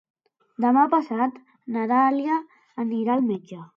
Demà passat na Dàlia anirà al metge.